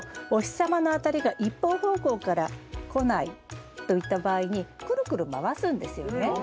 様の当たりが一方方向から来ないといった場合にくるくる回すんですよね。